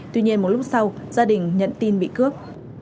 tuy nhiên một lúc sau gia đình nhận tin bị cướp